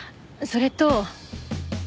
それと。